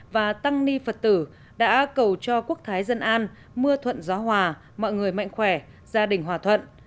và tăng ni phật tử đã cầu cho quốc thái dân an mưa thuận gió hòa mọi người mạnh khỏe gia đình hòa thuận